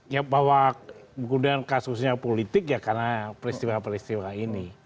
ya bahwa kemudian kasusnya politik ya karena peristiwa peristiwa ini